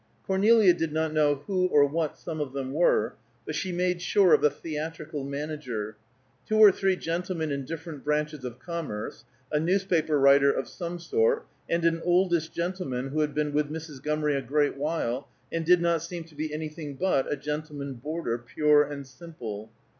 Cornelia did not know who or what some of them were; but she made sure of a theatrical manager; two or three gentlemen in different branches of commerce; a newspaper writer of some sort, and an oldish gentleman who had been with Mrs. Montgomery a great while, and did not seem to be anything but a gentleman boarder, pure and simple.